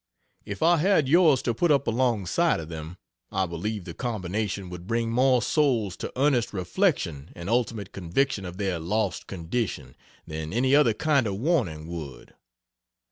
If I had yours to put up alongside of them, I believe the combination would bring more souls to earnest reflection and ultimate conviction of their lost condition, than any other kind of warning would.